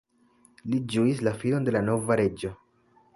Li ĝuis la fidon de la nova reĝo.